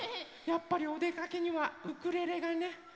やっぱりおでかけにはウクレレがね。